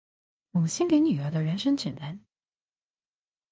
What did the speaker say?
母親給女兒的人生指南